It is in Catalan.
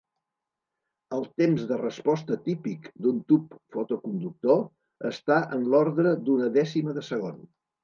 El temps de resposta típic d'un tub fotoconductor està en l'ordre d'una dècima de segon.